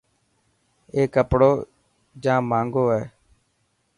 اي ڪپڙو جاهنگو هي.